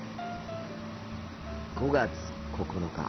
５月９日。